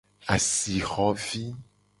Asixo vi.